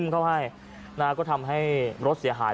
เข้าให้นะฮะก็ทำให้รถเสียหาย